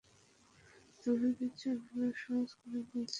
তোমাদের জন্য সহজ করে বলছি।